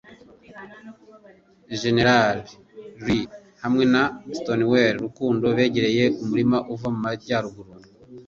Jenerali Lee, hamwe na Stonewall Rukundo begereye umurima uva mu majyaruguru